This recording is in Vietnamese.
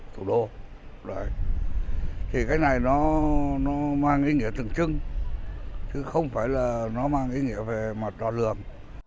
thì cái này nó mang ý nghĩa từng chưng chứ không phải là nó mang ý nghĩa về mặt đo lường